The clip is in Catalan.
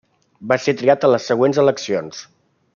Va ser triat en les següents eleccions.